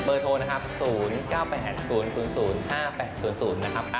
โทรนะครับ๐๙๘๐๐๕๘๐๐นะครับ